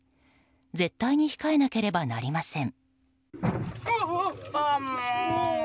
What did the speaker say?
絶対に控えなければなりません。